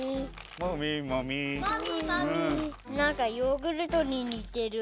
なんかヨーグルトににてる。